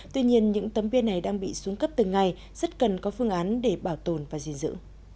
tuy nhiên những tấm bia này đang bị xuống cấp từng ngày rất cần có phương án để bảo tồn và di giữ